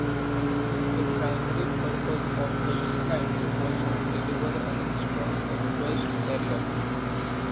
The primary purpose of the flight was to deliver and install the Quest airlock.